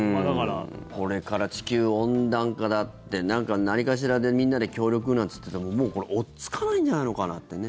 これから地球温暖化だって何かしらでみんなで協力なんて言っててももうこれ、追っつかないんじゃないのかなってね。